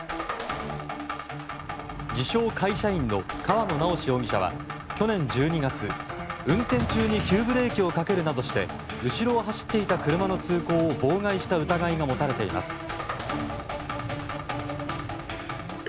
自称会社員の河野直司容疑者は去年１２月、運転中に急ブレーキをかけるなどして後ろを走っていた車の通行を妨害した疑いが持たれています。